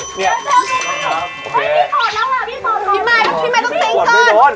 พี่ไมค์ต้องตีงก่อน